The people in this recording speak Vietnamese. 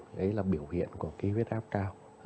đấy là biểu hiện của cái huyết áp cao